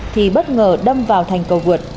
thì bất ngờ đâm vào thành cầu vượt